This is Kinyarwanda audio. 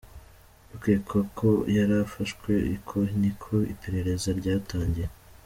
Ukekwako yarafashwe, uko niko iperereza ryatangiye.